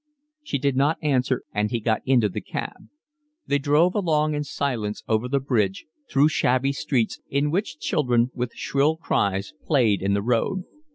She did not answer, and he got into the cab. They drove along in silence over the bridge, through shabby streets in which children, with shrill cries, played in the road.